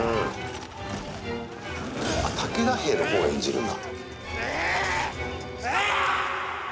武田兵のほうを演じるんだ。